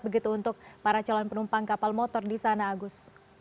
begitu untuk para calon penumpang kapal motor di sana agus